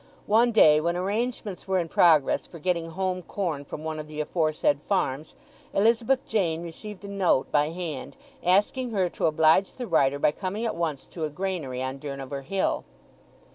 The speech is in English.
One day, when arrangements were in progress for getting home corn from one of the aforesaid farms, Elizabeth Jane received a note by hand, asking her to oblige the writer by coming at once to a granary on Durnover Hill.